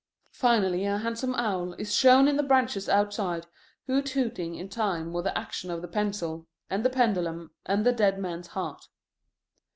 Finally a handsome owl is shown in the branches outside hoot hooting in time with the action of the pencil, and the pendulum, and the dead man's heart.